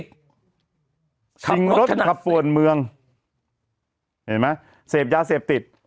ชิงรถขับฝวนเมืองเห็นไหมเศษยาเศษฐิต